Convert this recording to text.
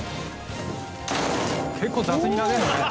結構雑に投げるね。